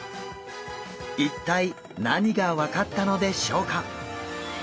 一体何が分かったのでしょうか？